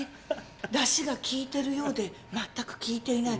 ダシが効いてるようで全く効いていない。